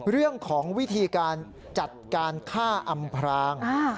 เรื่องของวิธีการจัดการฆ่าอำพราง